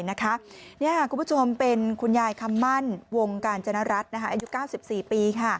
คุณผู้ชมเป็นคุณยายคำมั่นวงการจนรัฐอายุ๙๔ปี